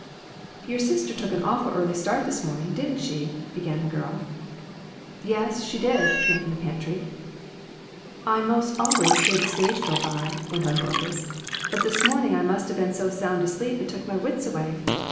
"Your sister took an awful early start this mornin', didn't she ?" began the girl. "Yes, she did," came from the pantry. " I most always hear the stage go by," went on Dorcas; "but this mornin' I must a been so sound asleep it took my wits away.